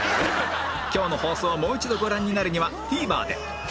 今日の放送をもう一度ご覧になるには ＴＶｅｒ で